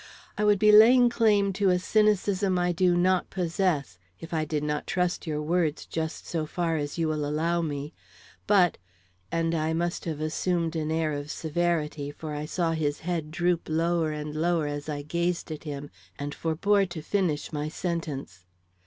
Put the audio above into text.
I would be laying claim to a cynicism I do not possess, if I did not trust your words just so far as you will allow me. But " And I must have assumed an air of severity, for I saw his head droop lower and lower as I gazed at him and forbore to finish my sentence.